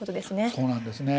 そうなんですね。